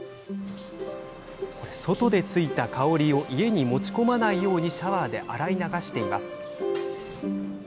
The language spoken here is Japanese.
外でついた香りを家に持ち込まないようにシャワーで洗い流します。